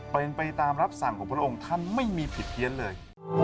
เป็นไปตามรับสั่งของพระองค์ท่านไม่มีผิดเพี้ยนเลย